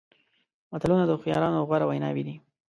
متلونه د هوښیارانو غوره ویناوې دي.